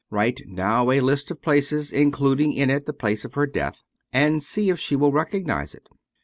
Write now a list of places, including in it the place of her death, and see if she will recognize it.'